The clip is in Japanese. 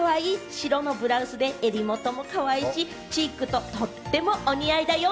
白のブラウスで襟元もかわいいし、チークもとってもお似合いだよ！